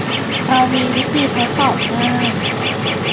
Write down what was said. เรามีวิธีทดสอบง่าย